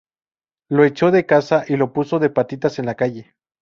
Lo echó de casa y lo puso de patitas en la calle